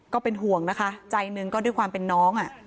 ก็เป็นห่วงนะคะใจหนึ่งก็ด้วยความเป็นน้อง